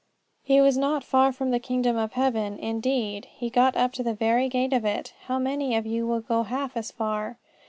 He was not far from the kingdom of heaven; indeed, he got up to the very gate of it. How many of you will get half as far?